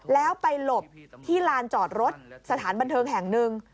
แล้วไปหลบที่ลานจอดรถสถานบันเทิงแห่งหนึ่ง